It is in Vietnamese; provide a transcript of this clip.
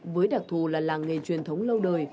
với đặc thù là làng nghề truyền thống lâu đời